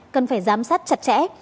cần phải giám sát chặt chẽ